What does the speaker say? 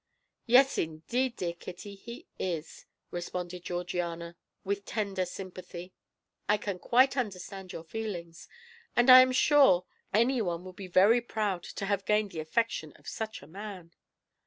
"Yes, indeed, dear Kitty, he is," responded Georgiana, with tender sympathy. "I can quite understand your feelings. I am sure anyone would be very proud to have gained the affection of such a man."